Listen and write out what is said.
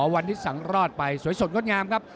วันนี้สังรอดไปสวยสดงดงามครับ